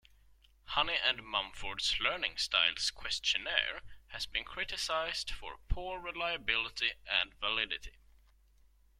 Honey and Mumford's learning styles questionnaire has been criticized for poor reliability and validity.